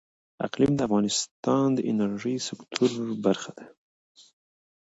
اقلیم د افغانستان د انرژۍ سکتور برخه ده.